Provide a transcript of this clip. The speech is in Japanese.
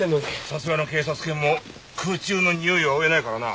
さすがの警察犬も空中のにおいは追えないからな。